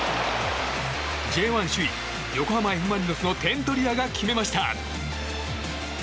Ｊ１首位、横浜Ｆ・マリノスの点取り屋が決めました。